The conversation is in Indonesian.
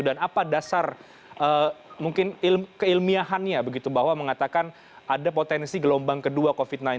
dan apa dasar mungkin keilmiahannya begitu bahwa mengatakan ada potensi gelombang kedua covid sembilan belas